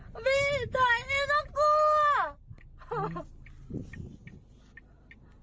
พี่ต่อยนี่ต้องกลัว